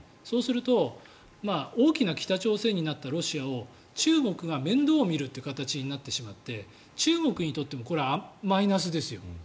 そうすると大きな北朝鮮になったロシアを中国が面倒を見るという形になってしまって中国にとってもマイナスです。